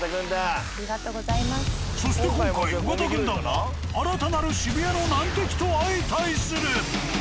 そして今回尾形軍団が新たなる渋谷の難敵と相対する。